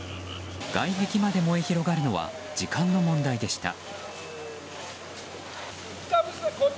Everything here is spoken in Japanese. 外壁まで燃え広がるのは時間の問題でした。